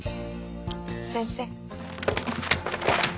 先生。